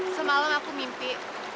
semalam aku mimpi